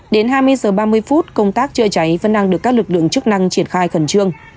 đến hai mươi h ba mươi phút công tác chữa cháy vẫn đang được các lực lượng chức năng triển khai khẩn trương